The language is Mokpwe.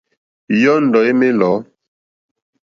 Yɔ́ndɔ̀ é mà lɔ̌.